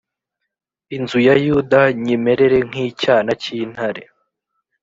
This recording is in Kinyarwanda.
inzu ya Yuda nyimerere nk’icyana cy’intare;